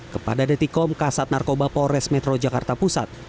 kepada detikom kasat narkoba polres metro jakarta pusat